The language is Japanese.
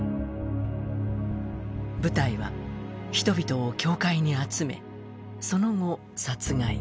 部隊は、人々を教会に集めその後、殺害。